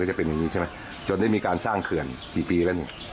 ก็จะเป็นแบบนี้ใช่ไหมจนได้มีการสร้างเผื่องกี่ปีละนี่